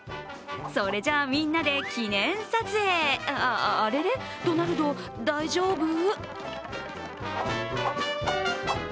それじゃ、みんなで記念撮影あれれ、ドナルド、大丈夫？